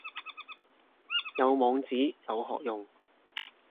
有網址有何用